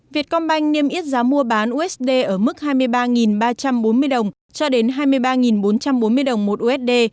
việt công banh niêm yết giá mua bán usd ở mức hai mươi ba ba trăm bốn mươi đồng cho đến hai mươi ba bốn trăm bốn mươi đồng một usd